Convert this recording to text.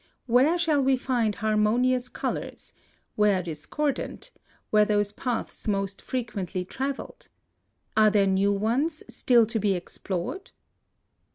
Where shall we find harmonious colors, where discordant, where those paths most frequently travelled? Are there new ones still to be explored?